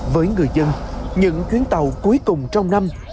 với người dân những chuyến tàu cuối cùng trong năm